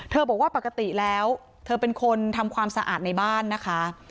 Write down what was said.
บอกว่าปกติแล้วเธอเป็นคนทำความสะอาดในบ้านนะคะ